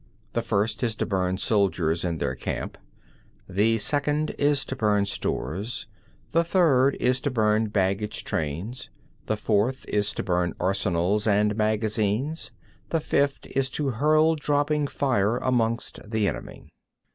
The first is to burn soldiers in their camp; the second is to burn stores; the third is to burn baggage trains; the fourth is to burn arsenals and magazines; the fifth is to hurl dropping fire amongst the enemy.